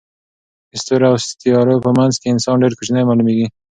د ستورو او سیارو په منځ کې انسان ډېر کوچنی معلومېږي.